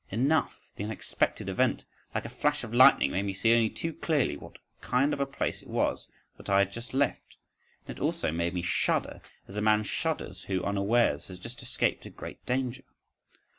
—Enough, the unexpected event, like a flash of lightning, made me see only too clearly what kind of a place it was that I had just left,—and it also made me shudder as a man shudders who unawares has just escaped a great danger.